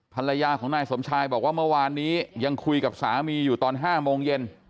ภรรยาของนายสมชายบอกว่าเมื่อวานนี้ยังคุยกับสามีอยู่ตอน๕โมงเย็น